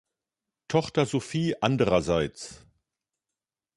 Tochter Sophie andererseits.